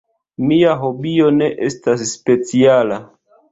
Mia hobio ne estas speciala.